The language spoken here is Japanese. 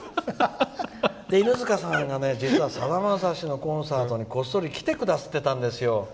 犬塚さんが実はさだまさしのコンサートにこっそり来てくださってたんですよ。